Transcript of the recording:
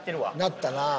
なったな。